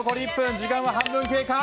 時間は半分経過。